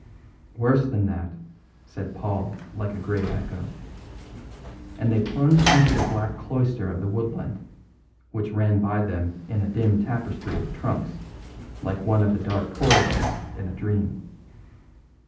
"Worse than that," said Paul like a grave echo. And they plunged into the black cloister of the woodland, which ran by them in a dim tapestry of trunks, like one of the dark corridors in a dream.